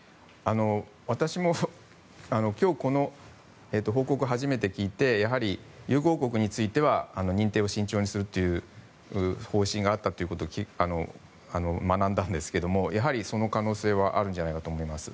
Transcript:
私も今日、この報告を初めて聞いてやはり友好国については認定を慎重にするという方針があったということを学んだんですがやはりその可能性はあると思います。